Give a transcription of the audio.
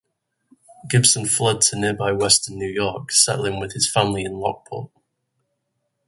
Gibson fled to nearby western New York, settling with his family in Lockport.